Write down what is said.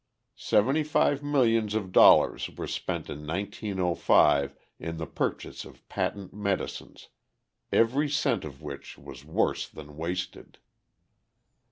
Seventy five millions of dollars were spent in 1905 in the purchase of patent medicines, every cent of which was worse than wasted.